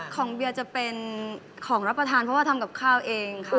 เบียจะเป็นของรับประทานเพราะว่าทำกับข้าวเองค่ะ